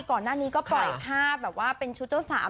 ก่อนหน้านี้ก็ปล่อยภาพแบบว่าเป็นชุดเจ้าสาว